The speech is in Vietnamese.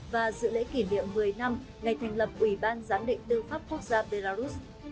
và dự lễ kỷ niệm một mươi năm ngày thành lập ủy ban giám định tư pháp quốc gia belarus